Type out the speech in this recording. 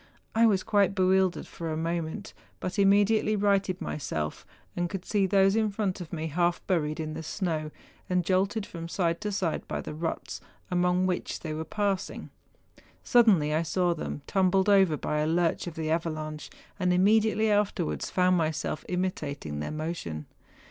I was quite bewildered for a moment, but im¬ mediately righted myself, and could see those in front of me half buried in the snow, and jolted from side to side by the ruts, among which they were passing. Suddenly I saw them tumbled over by a lurch of the avalanche, and immediately afterwards found myself imitating their motion.